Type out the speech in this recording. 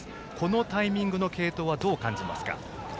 このタイミングの継投はどう考えますか？